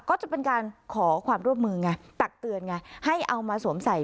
ก็จะเป็นการขอความร่วมมือไงตักเตือนไงให้เอามาสวมใส่